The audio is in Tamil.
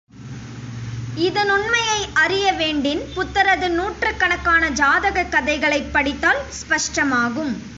இதனுண்மையை அறிய வேண்டின் புத்தரது நூற்றுக்கணக்கான ஜாதகக் கதைகளைப் படித்தால் ஸ்பஷ்டமாகும்.